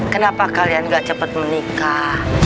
kenapa kalian gak cepat menikah